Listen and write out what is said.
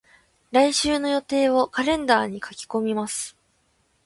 来週の予定をカレンダーに書き込みます。